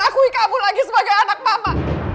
akui kabur lagi sebagai anak mama